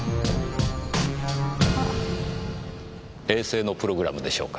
衛星のプログラムでしょうか。